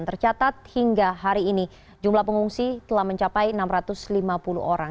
tercatat hingga hari ini jumlah pengungsi telah mencapai enam ratus lima puluh orang